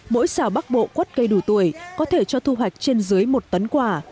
mỗi xào bắc bộ quất cây đủ tuổi có thể cho thu hoạch trên dưới một tấn quả